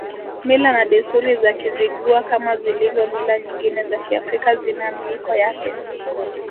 Mila na desturi za Kizigua kama zilivyo mila nyingine za Kiafrika zina miiko yake